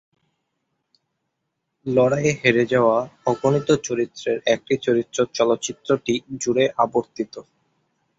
লড়াইয়ে হেরে যাওয়া অগণিত চরিত্রের একটি চরিত্র চলচ্চিত্রটি জুড়ে আবর্তিত।